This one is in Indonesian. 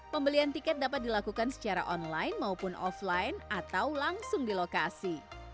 pembelian tiket dapat dilakukan secara online maupun offline atau langsung di lokasi